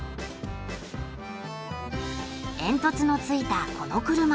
煙突のついたこの車。